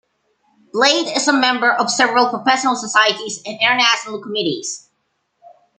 Blade is a member of several professional societies and international committees.